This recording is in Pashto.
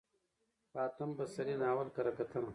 په اتم پسرلي ناول کره کتنه: